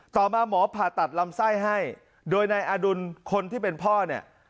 ต่อมาหมอผ่าตัดลำไส้ให้โดยนายอดุลคนที่เป็นพ่อเนี่ย